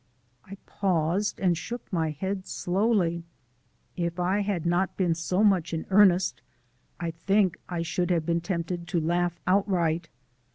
I paused, and shook my head slowly. If I had not been so much in earnest, I think I should have been tempted to laugh outright.